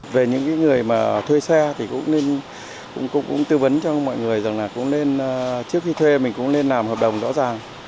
về những người thuê xe thì cũng tư vấn cho mọi người rằng là trước khi thuê mình cũng nên làm hợp đồng rõ ràng